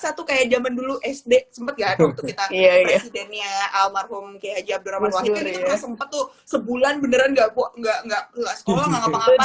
pemirsa tuh kayak jaman dulu sd sempet nggak waktu kita presidennya almarhum kayak haji abdurrahman wahid kan itu nggak sempet tuh sebulan beneran nggak sekolah nggak ngapa ngapain